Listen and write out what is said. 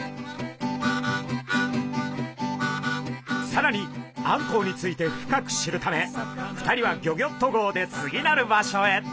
さらにあんこうについて深く知るため２人はギョギョッと号で次なる場所へ。